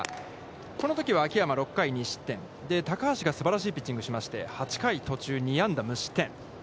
このときは秋山６回２失点、高橋がすばらしいピッチングをしまして、８回途中、２安打無失点。